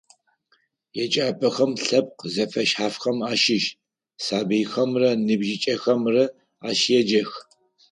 Еджапӏэхэм лъэпкъ зэфэшъхьафхэм ащыщ сабыйхэмрэ ныбжьыкӏэхэмрэ ащеджэх.